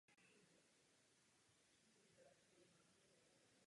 V současné době malíř žije a pracuje převážně v Písku.